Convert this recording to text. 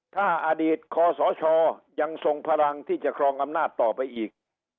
ถ้าอดีตคศยังทรงพลังที่จะครองอำนาจต่อไปอีก